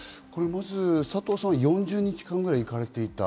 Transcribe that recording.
まず佐藤さん、４０日間くらい行かれていた。